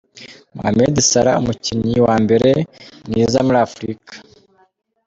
Mohamed Salah, umukinyi wa mbere mwiza muri Afrika.